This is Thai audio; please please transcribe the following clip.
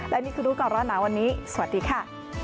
และนี่คือรู้ก่อนร้อนหนาวันนี้สวัสดีค่ะ